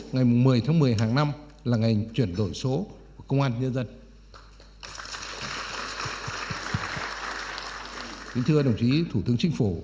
ngày một mươi tháng một mươi hàng năm là ngày chuyển đổi số của công an nhân dân